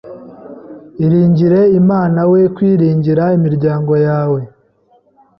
Iringire Imana we kwiringira imiryango yawe